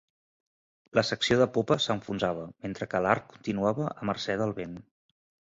La secció de popa s'enfonsava, mentre que l'arc continuava a mercè del vent.